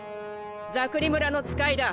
ザクリ村の使いだ。